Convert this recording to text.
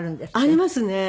ありますね。